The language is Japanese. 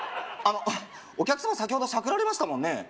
あのお客様先ほどしゃくられましたもんね